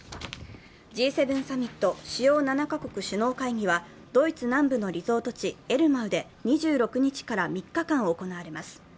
Ｇ７サミット＝主要７か国首脳会議はドイツ南部のリゾート地、エルマウで２６日から３日間行われます。